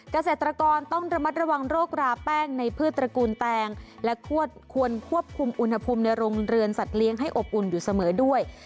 เกษตรกรต้องระมัดระวังโรคราแป้งในพืชตระกูลแตงและควรควบคุมอุณหภูมิในโรงเรือนสัตว์เลี้ยงให้อบอุ่นอยู่เสมอด้วย